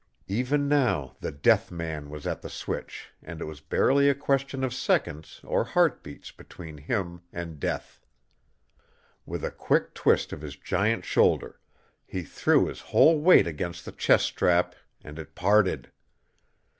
Even now the death man was at the switch and it was barely a question of seconds or heart beats between him and death. With a quick twist of his giant shoulder he threw his whole weight against the chest strap and it parted.